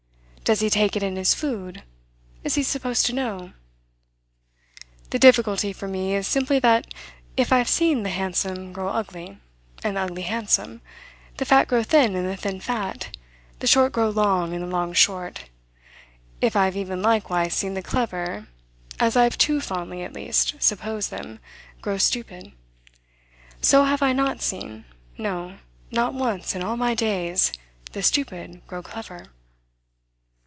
Does he take it in his food? Is he supposed to know? The difficulty for me is simply that if I've seen the handsome grow ugly and the ugly handsome, the fat grow thin and the thin fat, the short grow long and the long short; if I've even, likewise, seen the clever, as I've too fondly, at least, supposed them, grow stupid: so have I not seen no, not once in all my days the stupid grow clever."